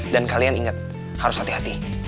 dan kalian inget harus hati hati